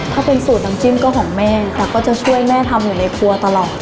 ถ้าเป็นสูตรน้ำจิ้มก็ของแม่ค่ะก็จะช่วยแม่ทำอยู่ในครัวตลอด